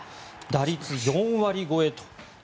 打率４割超え